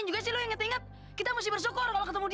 ni i guess aku disini akan kalahin kalahin tapi neverland percaya ngel